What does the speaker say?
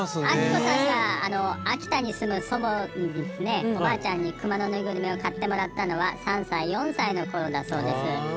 明子さんが秋田に住むおばあちゃんにクマのぬいぐるみを買ってもらったのは３歳４歳の頃だそうです。